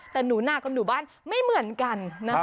แต่หนูนากับหนูบ้านไม่เหมือนกัน